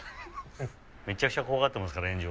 ・めちゃくちゃ怖がっていますから炎上。